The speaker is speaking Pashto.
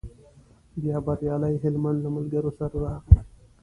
بیا بریالی هلمند له ملګرو سره راغی.